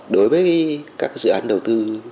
đối với các dự án đầu tư